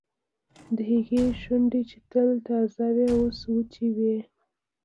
د هغې شونډې چې تل تازه وې اوس وچې وې